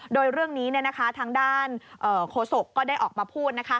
โดยเรื่องนี้ทางด้านโฆษกก็ได้ออกมาพูด